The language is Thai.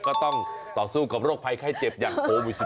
ก็ต้องต่อสู้กับโรคภัยไข้เจ็บอย่างโควิด๑๙